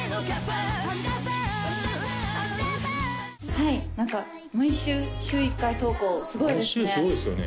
はい何か毎週週１回投稿すごいですね